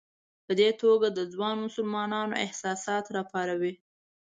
په دې توګه د ځوانو مسلمانانو احساسات راپاروي.